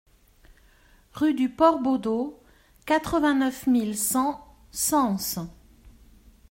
Rue du Port Bodot, quatre-vingt-neuf mille cent Sens